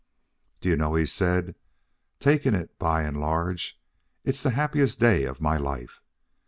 "Do you know," he said, "taking it by and large, it's the happiest day of my life."